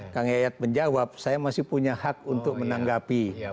kang yayat menjawab saya masih punya hak untuk menanggapi